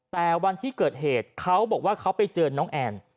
แต่วันที่เกิดเหตุเขาบอกว่าเขาไปเจอน้องแอน